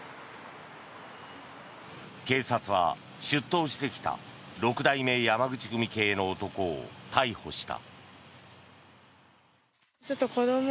警察は出頭してきた六代目山口組系の男を逮捕した。